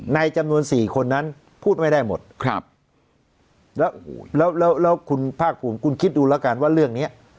ในจำนวน๔คนนั้นพูดไม่ได้หมดครับแล้วแล้วคุณภาคภูมิคุณคิดดูแล้วกันว่าเรื่องนี้